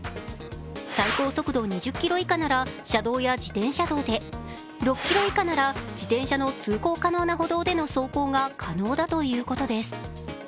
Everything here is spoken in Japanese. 最高速度２０キロ以下なら車道や自転車道で自転車の通行可能な歩道での走行が可能だということです。